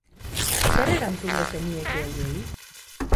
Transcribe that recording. Zer erantzungo zenieke horiei?